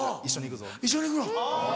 一緒に行くの。